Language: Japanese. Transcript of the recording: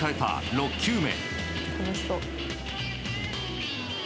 ６球目。